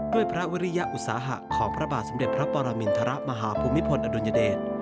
พระวิริยอุตสาหะของพระบาทสมเด็จพระปรมินทรมาฮภูมิพลอดุลยเดช